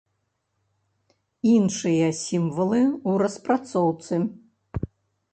Іншыя сімвалы ў распрацоўцы.